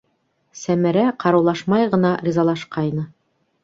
Сәмәрә ҡарыулашмай ғына ризалашҡайны.